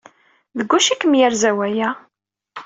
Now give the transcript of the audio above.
Deg wacu ay kem-yerza waya?